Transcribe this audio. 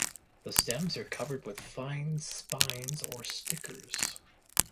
The stems are covered with fine spines or stickers.